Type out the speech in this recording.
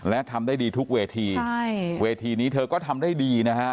และทำได้ดีทุกเวทีเวทีนี้เธอก็ทำได้ดีนะฮะ